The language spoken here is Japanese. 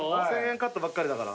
１，０００円カットばっかりだから。